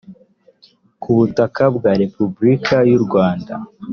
ku butaka bwa repubulika y u rwanda